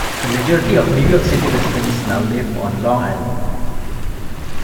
The majority of New York City residents now live on Long Island.